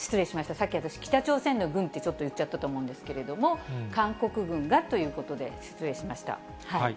さっき私、北朝鮮の軍ってちょっと言っちゃったと思うんですけど、韓国軍がということで、失礼しました。